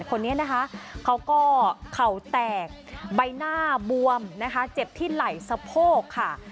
คนนี้นะคะเขาก็เข่าแตกใบหน้าบวมนะคะเจ็บที่ไหล่สะโพกค่ะ